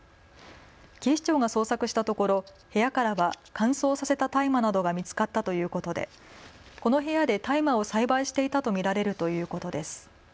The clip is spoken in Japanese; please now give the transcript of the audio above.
警視庁が捜索したところ部屋からは乾燥させた大麻などが見つかったということでこの部屋で大麻を栽培していたと見られるということです。